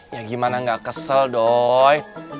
ya gimana gak kesel dong